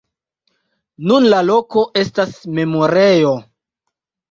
Nun la loko estas memorejo.